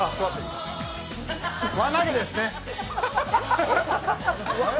輪投げですね。